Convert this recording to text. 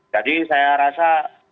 jadi saya rasa